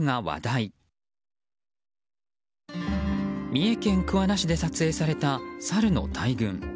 三重県桑名市で撮影されたサルの大群。